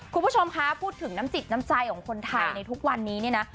คุณผู้ชมคะพูดถึงน้ำจิตน้ำใจของคนไทยในทุกวันนี้เนี่ยนะ